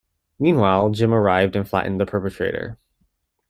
Meanwhile, Jim arrived and flattened the perpetrator.